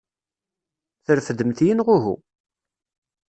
Trefdemt-iyi neɣ uhu?